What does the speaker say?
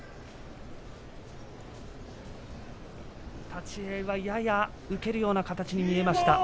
立ち合いは、やや受けるような立ち合いに見えました。